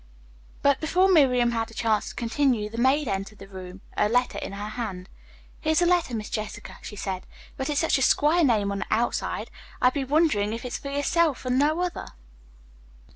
But before Miriam had a chance to continue, the maid entered the room, a letter in her hand. "Here's a letter, Miss Jessica," she said. "But it's such a quare name on the outside, I be wondering if it's fur yerself and no other?"